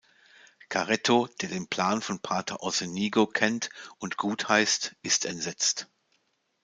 Caretto, der den Plan von Pater Orsenigo kennt und gut heißt, ist entsetzt.